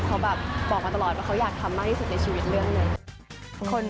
ค่ะซ่ามมาก็สักพักหนึ่งค่ะ